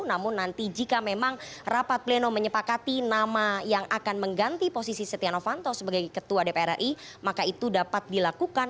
namun nanti jika memang rapat pleno menyepakati nama yang akan mengganti posisi setia novanto sebagai ketua dpr ri maka itu dapat dilakukan